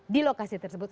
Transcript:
di lokasi tersebut